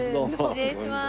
失礼します。